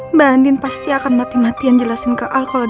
mbak andien pasti akan mati matian jelasin ke al kalau dia gak mau bunuh roy